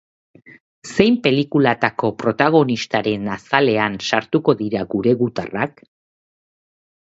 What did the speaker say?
Zein pelikulatako protagonistaren azalean sartuko dira gure gutarrak?